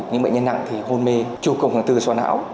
những bệnh nhân nặng thì hôn mê trù cộng hàng tư so nảo